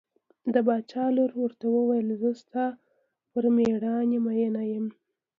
د باچا لور ورته وویل زه پر ستا مېړانې مینه یم.